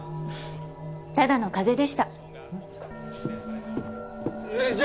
ただの風邪でしたえじゃ